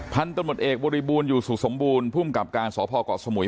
พันธุ์ต้นหมดเอกบริบูรณ์อยู่สุขสมบูรณ์ผู้หญิงกลับการสพเกาะสมุย